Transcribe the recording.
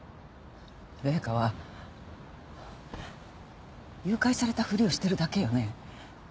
麗華は誘拐されたふりをしてるだけよね？